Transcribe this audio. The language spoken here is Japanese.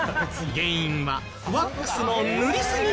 原因はワックスの塗りすぎ。